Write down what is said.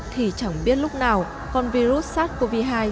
thì chẳng biết lúc nào con virus sars cov hai sẽ tái bùng phát trở lại